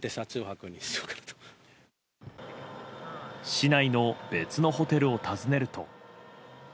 市内の別のホテルを訪ねると。